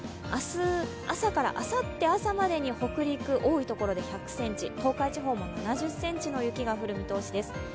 明日朝からあさって朝までに北陸、多いところで１００ｃｍ、東海地方でも７０ｃｍの雪が降る見込みです。